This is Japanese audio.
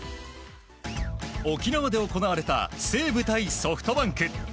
沖縄で行われた西武対ソフトバンク。